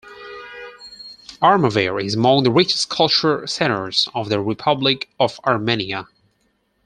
Armavir is among the richest cultural centres of the Republic of Armenia.